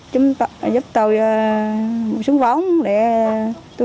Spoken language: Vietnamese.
chị ê chplant